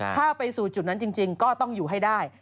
ถ้าไปสู่จุดนั้นจริงก็ต้องอยู่ให้ได้